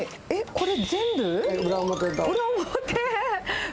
これ全部？